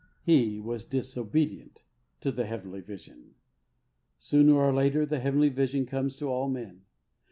He was disobedient to the heavenly vision. Sooner or later the heavenly vision comes to all men.